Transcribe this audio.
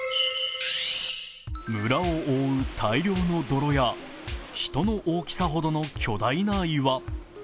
村を覆う大量の泥や人の大きさほどの巨大な岩。